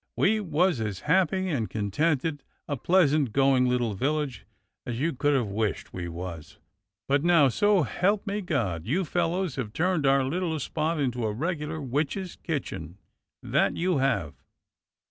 We was as happy and contented a pleasant going Httle village as you could have wished, we was; but now, so help me God ! you fellows have turned our little spot into a regular witches' kitchen, that you have.